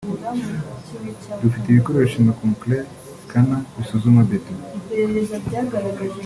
Dufite ibikoresho nka concrete scanner bisuzuma beto